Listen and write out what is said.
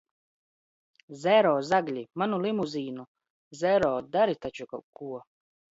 Zero, zagļi! Manu limuzīnu! Zero, dari taču kaut ko!